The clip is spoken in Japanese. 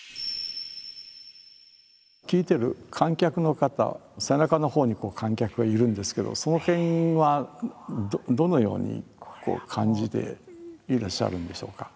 聴いてる観客の方背中のほうに観客がいるんですけどその辺はどのように感じていらっしゃるんでしょうか？